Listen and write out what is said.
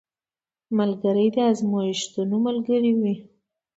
ملګری د ازمېښتو ملګری وي